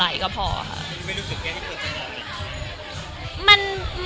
มันคิดว่าจะเป็นรายการหรือไม่มี